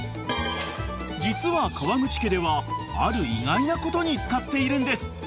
［実は河口家ではある意外なことに使っているんです］